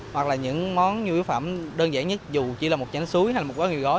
hoặc là những món du yếu phẩm đơn giản nhất dù chỉ là một chánh suối hay một quán ghi gói